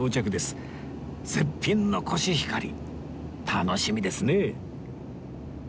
絶品のコシヒカリ楽しみですね